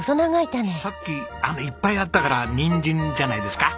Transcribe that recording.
さっきいっぱいあったからニンジンじゃないですか？